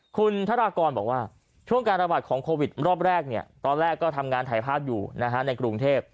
คุณธรากรบอกว่าช่วงการระบาดของโควิดรอบแรกตอนแรกก็ทำงานถ่ายภาพอยู่ในกรุงเทพ